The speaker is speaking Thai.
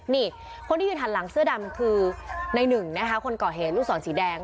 นี่คนที่ยืนหันหลังเสื้อดำคือในหนึ่งนะคะคนก่อเหตุลูกศรสีแดง